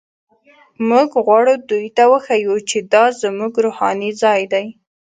موږ غواړو دوی ته وښیو چې دا زموږ روحاني ځای دی.